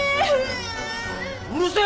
うるせえよ！